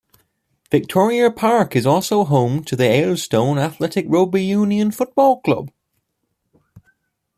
Victoria Park is also home to Aylestone Athletic Rugby Union Football Club.